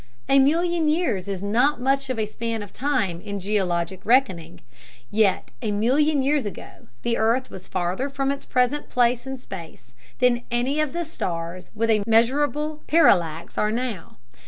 A million years is not much of a span of time in geologic reckoning, yet a million years ago the earth was farther from its present place in space than any of the stars with a measurable parallax are now.